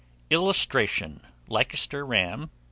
[Illustration: LEICESTER RAM.